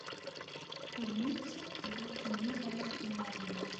Tagnit tella temgerrad imir-nni.